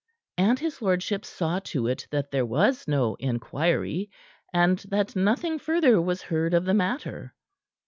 And his lordship saw to it that there was no inquiry and that nothing further was heard of the matter.